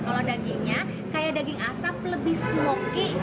kalau dagingnya kayak daging asap lebih smokey